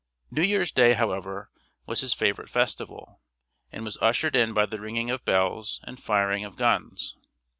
New Year's Day, however, was his favorite festival, and was ushered in by the ringing of bells and firing of guns.